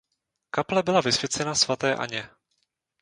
Kaple byla vysvěcena svaté Anně.